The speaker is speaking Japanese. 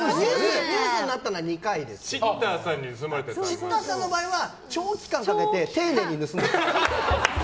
シッターさんの場合は長期間かけて丁寧に盗んでいった。